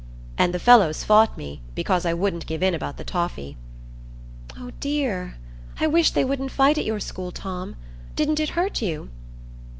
"And the fellows fought me, because I wouldn't give in about the toffee." "Oh, dear! I wish they wouldn't fight at your school, Tom. Didn't it hurt you?"